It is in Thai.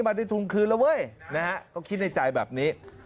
ไม่ได้ทุนคืนแล้วเว้ยนะฮะก็คิดในใจแบบนี้